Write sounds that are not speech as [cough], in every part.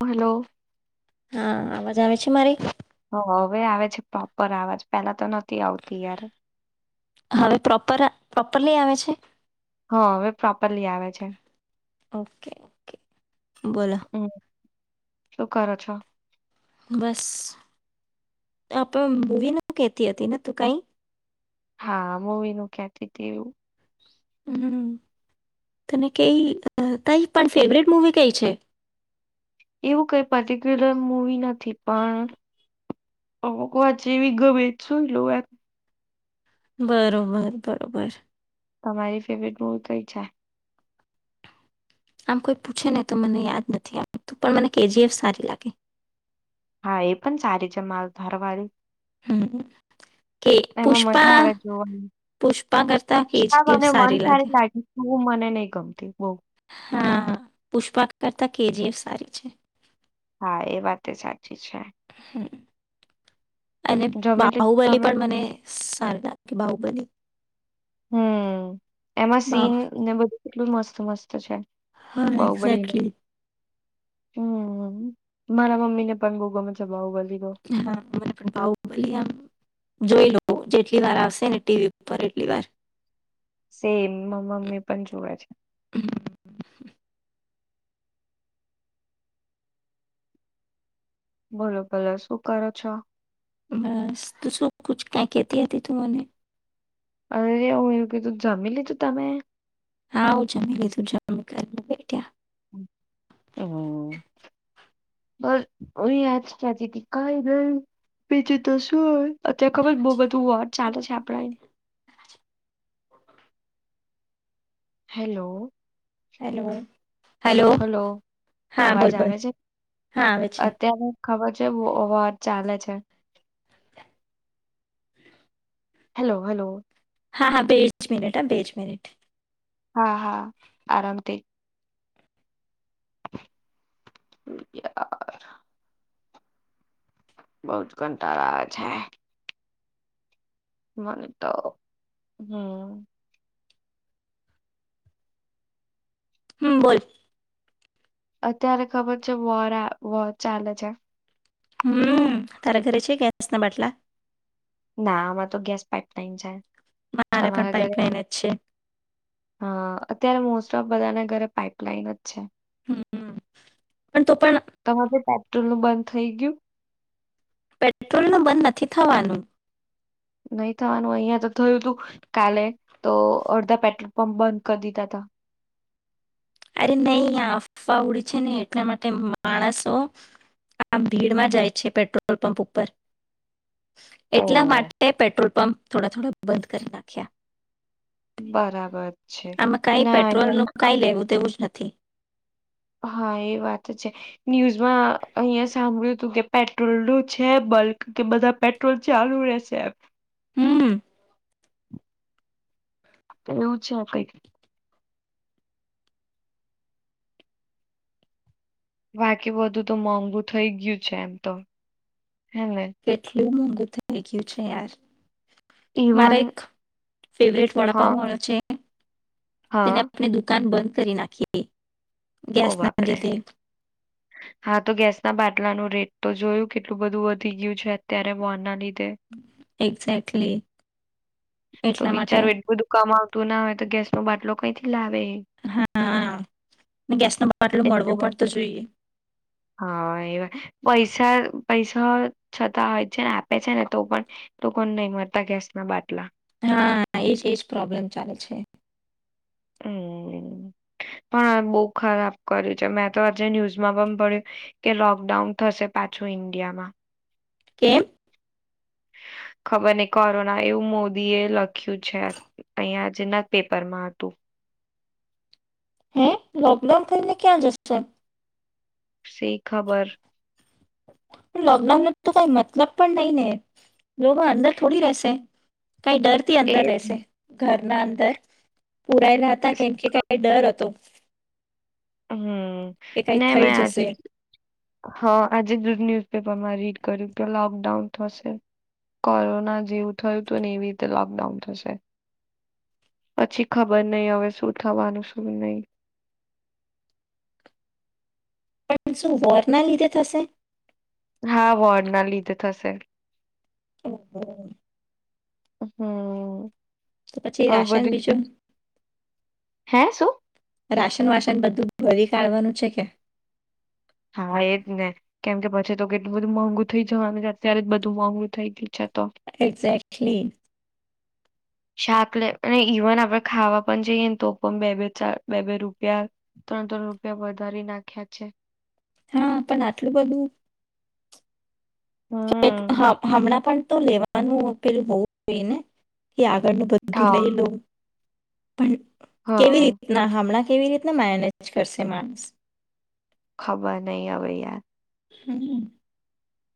Hello. હા આવાજ આવે છે મારી? હ હવે આવે છે પ્રોપર આવાજ પેલા તો નથી આવતી યાર. હવે પ્રોપર પ્રોપરલી આવે છે? હા હવે પ્રોપરલી આવે છે. Okay okay. બોલો. હમ શું કરો છો? બસ, આપે મુવીને કેતી હતી ને તું કઈ? હા મૂવી નું ક્યાથી હતી. હમ, તને કઈ તઈ પણ ફેવરેટ મુવી કઈ છે? એવું કઈ પર્ટિક્યુલર મુવી નથી પણ, ‌ અમુક વાર જેવી ગમે એવી જોઈ લેવ એમ. બરોબર બરોબર. તમારી ફેવરેટ મૂવી કઈ છે? આમ કોઈ પૂછે ને તો મને યાદ નથી આવતું પણ મને કે જી એફ સારી લાગે. હા એ પણ સારી છે માર ધરવાળી. હમ, કે એમાં મજા પુષ્પા આવે જોવાની પુષ્પા કરતા કે જી એફ સારી લાગે. ન કમતી બહ. હા! પુષ્પા કરતા કેજીએફ સારી છે. હા એ વાત સાચી છે. તો, [inaudible] અને જમી લીધું બાહુબલી તમે પણ મને સારી લાગે, બાહુબલી હમ્મ એમાં બા સીન ને બધું કેટલું મસ્ત. મસ્ત છે. હા બાહુબલી એક્ઝેક્ટલી. હમ! મારા મમ્મી ને પણ બહુ ગમે. છે બાહુબલી તો હા મને પણ બાહુબલી એમ જોઈ લોવ, જેટલી વાર આવશે ને ટીવી ઉપર એટલી વાર. સેમ મારી મમ્મી પણ જોવે છે. હમ. [inaudible] બોલો ભલે શું કરો છો.? બસ તુ શું કુછ, કંઈ કેતી હતી તું મને--? અરે એવું મે કીધું જમી લીધું તમે?, હા હું જમી લીધું જમી કારવી ને બેઠ્યા હમ, બસ આજ કેતી તી કઈ નઈ બીજુ તો સુ હોય અત્યારે ખબર બહુ બધું વોંર ચાલે છે. આપણા અયા હેલો હેલો હેલો હલો હા અવાજ બોલ બોલ, આવે છે હા આવે છે. અત્યારે ખબર છે વોંર ચાલે છે. હેલો હલો હા હા બે જ મિનિટ હો, બે જ મિનિટ હા હા આરામથી [inaudible] બહુ જ કંટાળો આવે છે. મને તો હમ હમ બોલ અત્યારે ખબર છે વોરા વોંર ચાલે છે. હમ તારા ઘરે છે ગેસ ના બાટલા? ના અમારે તો ગેસ પાઇપલાઇન છે. મારે પણ તમારા ઘરે? પાઇપલાઇન જ છે હ અત્યારે, મોસ્ટ ઓફ બધાના ઘરે પાઈપલાઈન જ છે હમ પણ તો પણ [unintelligible] તમે બી પેટ્રોલ નું બંધ થઈ ગયુ--? પેટ્રોલનું બંધ નથી થવાનું નહી થવાનું અંયા તો થયું તું કાલે, તો અડધા પેટ્રોલ પંપ બંધ કરી દીધા હતા. અરે નહી અફવા ઉડી છે ને, એટલા માટે માણસો આ ભીડમાં જાય છે. પેટ્રોલ પંપ ઉપર ઓ એટલા માટે પેટ્રોલ પંપ થોડા થોડા બંધ કરી નાખ્યા બરાબર છે નાય કોઈ જ નથી હા એ વાત છે ન્યૂઝમાં અહિયાં સાંભળ્યું હતું કે પેટ્રોલ નું છે બલ્ક કે બધા પેટ્રોલ ચાલુ રહેશે એમ હમ્મ એવું છે કઈક બાકી બધું તો મોંઘુ થઈ ગયું છે એમ તો હે ને કેટલુ મોંઘુ બધુ થઈ ગયુ છે યાર ઇવન મારા એક ફેવરેટ હા વડાપાંવ વાડો છે. તેને હા આપની દુકાન બંધ કરી નાખીએ. ઓ વાપરે હા તો ગેસ ના બા ટલા નું રેટ તો જોયું કેટલું બધું વધી ગયું છે અત્યારે વનના લીધ. એક્ઝેક્ટલી તો એટલા માટે. બિચારું એટલું બધું કમાવતું ના હો તો ગસો બાટલો કઈથી લાવે. [unintelligible] ગેસ નો બાટલો એટલે મળવો બ પડતો જોઈએ. હા એવા પૈસા પૈસા છતાં હોય છે ને આપે છે ને તો પણ લોકોને નહી મળતા ગેસ ના બાટલા. હા એજ એજ પ્રોબ્લેમ ચાલે છે. હમ્મ પણ બહુ ખરાબ કર્યું છે મેં તો આજે ન્યુઝમાં પણ પડ્યું કે લોકડાઉન થશે પાછું ઈન્ડિયામાં. કેમ? ખબર નહી કોરોના એવું મોદીએ લખ્યું છે અહીયાં આજના પેપરમાં હતું. હે લોકડાઉન થઈને ક્યાં જશે. સી ખબર. લોકડાઉન ન તો કઈ મતલબ પણ નહી ને લોકો અંદર થોડી રહેશે. કઈ ડર થી એ અંદર રહેશે ઘર. ના અંદર. પુરાયલા હતા કેમ કે કઈ ડર હતો. હમ્મ કે કઈ ના થઈ મેં આજ જશે હ આજે ન્યુ પેપરમાં રીડ કર્યું તો લોકડાઉન થશે કોરોના જેવું થયું હત ને એવી રીતે લોકડાઉન થશે પછી ખબર નહી હવે શું થવાનું શું નહી. પણ શું વોરના લીધે થશે. હા વોર્ડ ના લીધે થશે. [unintelligible] હમ્મ તો પછી રાશન બીજું. હે શો. રાશન વાસન બધું ભળી કાઢવાનું છે કે. હા એજ ને. કેમ કે પછી તો કેટલું બધું મોંઘું થઈ જવાનું અત્યારે જ બધું મોંઘું થઈ ગયું. છે તો એક્ઝેક્ટલી. શાક લે અને ઇવન આપણેે ખાવા પણ જઈએ ને તો પણ બે બે ચાર બે બે રૂપિયા, ત્રણ ત્રણ રૂપિયા વધારી નાખ્યા છે. હા પણ આટલું બધું એક હમ. હા હમણાં પણ તો લેવાનું આપેલું બઉ હોય ને. એ આગળનું બધું હા લઈ લોઉં. પણ કેવી હા રીતના હમણાં? કેવી રીતના મેનેજ કરશે માણસ. ખબર નહી આવે યાર. હમ્મ.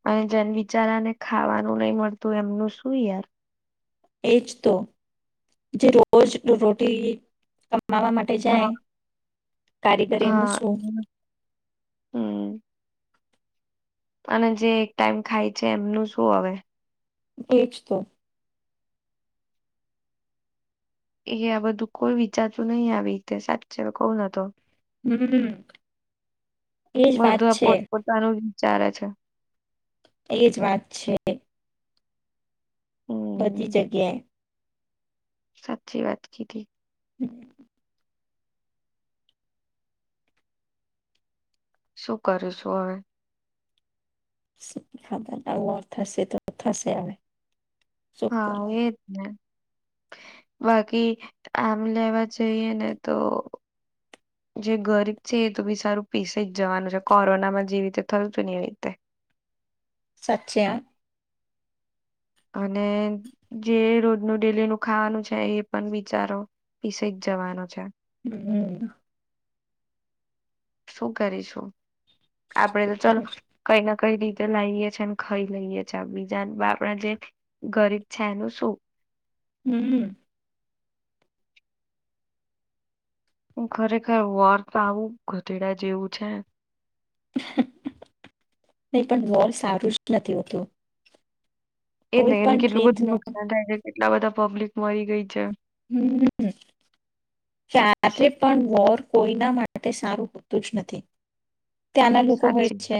અને જેન બિચારાને ખાવાનું નહી મળતું એમનું શું યાર. એજ તો, જે રોજ રોટી માવા માટે જાય, હા કારીગર એમનું હા. શું? હમ અને જે એક ટાઈમ ખાય છે એમનું શું હવે? એજ તો. એ આ બધું કોઈ વિચારતું નહી આવી રીતે સાચે કહું ન તો. હમ્મ એજ વાત છે. ચાલે છે. એ જ વાત છે. બધી હમ. જગ્યાએ સાચી વાત કીધી. [unintelligible] શું કરશું હવે? નું અર્થ હશે તો થશે હવે. શું હા કરવાનું એજ ને. બાકી આમ લેવા જઈએ ને તો, જે ગરીબ છે એ તો વિચારું પીસે જ જવાનું છે કોરોનામાં જેવી રીતે થયું હતું ને એવી રીતે. સાચે હા. અને જે રોજનું ડેલી નું ખાવાનું છે એ પણ બિચારો પીસે જ જવાનો છે. હમ્મ. શું કરી શું? આપડે શું તો ચાલ કરીશ? કઈ નથી. કઈ રીતે લાઈએ છે ને ખાઈ લઈએ છે બીજા બા આપણા જે, ગરીબ છે એનું શું? હમ્મ. હ ખરેખર વોર તો આવું ગધેડા જેવું છે. નહી પણ વોર સારું જ નથી હોતું. એ જ કોઈ એને પણ કેટલું બધું રીતનો નુકસાન થાય છે. એટલા બધા પબ્લિક મરી ગઈ છે. હમ્મ. ક્યારે પણ વોર કોઈના માટે સારું હોતું જ નથી. ત્યાંના લોકો હોય સાચી છે.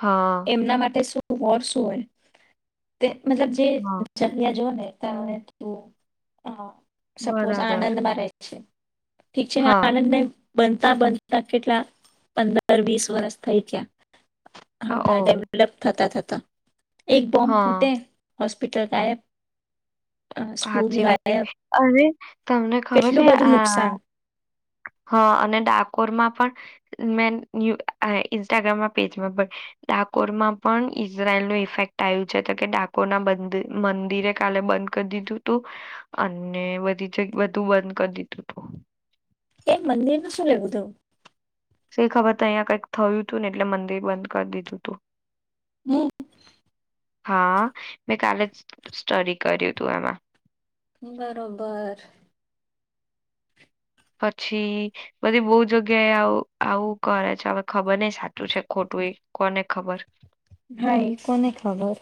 હા એમના માટે શું? વોર શું હોઈ, તે મતલબ જે હા જગ્યા જુઓ ને [unintelligible] સપોઝ બરાબર. આણંદ મારા છે. ઠી છે હા. આનંદે બનતા બનતા કેટલા પંદર વીસ વર્ષ થઈ ગયા. અ હમણાં ઓહ! ડેવલપ થતા થતા. તા. એક બમ્બ હા, ફૂટે હોસ્પિટલ ગાયબ. અ, સ્કૂલ સાચી વાકી ગાયબ અને તમને ખબર કેટલું છે બધું આ, નુકસાન હ અને ડાકોરમાં ઇન્સ્ટ્રાગ્રામ પણ, ડાકોરમાં પણ ઈઝરાયલ ન ઇફેક્ટ આવ્યું છે તો કે ડાકોર ના મંદિરે કાલે બંધ કરી દીધું તું, અને બધી જ બધું બંધ કરી દીધું તું. એ મંદિરનું શું લેવું હતું? સ ખબર તો અહીંયા કંઈક થયું હતું ને એટલે મંદિર બંધ કરી દીધું હતું. હમ. હા, મેં કાલે જ સ્ટડી કર્યું હતું એમાં. બરોબર. પછી, બધી બહુ જગ્યાએ આવું આવું કરે છે હવે ખબર નહ સાચું છે ખોટું એ કોને ખબર. હાઈ કોને ખબર.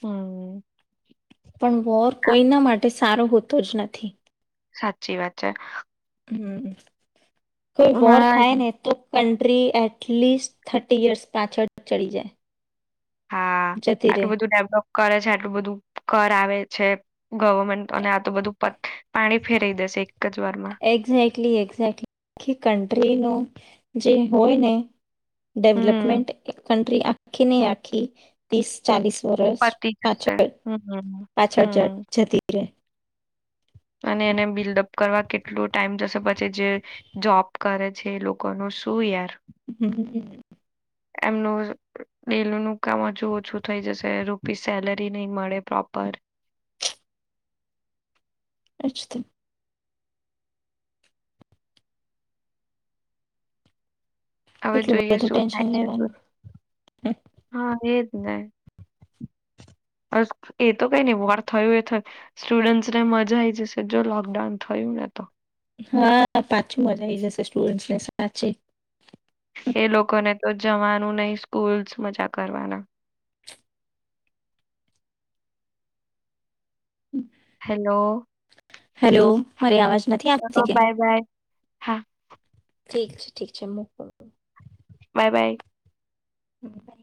હમ. પણ વોર કોઈના માટે સારો હોતો જ નથી. સાચી વાત છે. હમ. કોઈ વોર મારા થાય ને તો કન્ટ્રી એટલીસ્ટ થર્ટી યર્સ પાછળ ચડી જાય. હા જતી રે. આટલું બધું ડેવલોપ કરે છે આટલું બધું કર આવે છે ગવર્મેન્ટ અને આ તો બધું પાણી ફેરાવી દેશે. જ વારમાં એક્ઝેક્ટલી એક્ઝેક્ટલી આખી કન્ટ્રીનું જે હોય ને હમ ડેવલપમેન્ટ એક કન્ટ્રી આખી ને આખી ત્રીસ ચાલીસ. વર્ષ પતી જશે પાછળ, હમ પાછળ હમ જતી રહે. અને એને બિલ્ડઅપ કરવા કેટલો ટાઈમ જશે પછી. જે જોબ કરે છે એ લોકોનું શું યાર.? હમ હ. એમનું ડૈ લું ન કામ હજુ ઓછું થઈ જશે, રૂપીસ સેલરી નહી મળે પ્રોપર--. એ જ તો! હવે કેટલું જોઈએ બધું શું થાય ટેન્શન છે? તે લેવાનું હા એજ ને બસ એ તો કઈ નઈ, વોર થયું એ થય સ્ટુડન્ટસને મજા આવી જશે, જો લોકડાઉન થયું ને તો હા! પાછું મજા આવી ઈ જશે સ્ટુડન્ટ્સ ને સાચી એ લોકોને તો જવાનું નહી સ્કૂલ્સ, મજા કરવાના [unintelligible] હેલો હેલો મારી આવાજ નથી ચલો આવતી કે? બાય બાય હા ઠીક છે ઠીક છે મુકુ મુકુ બાય બાય [inaudible]